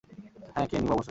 হ্যাঁ, খেয়ে নিব অবশ্যই।